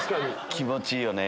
気持ちいいよね。